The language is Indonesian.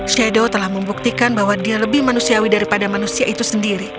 shadow telah membuktikan bahwa dia lebih manusiawi daripada manusia itu sendiri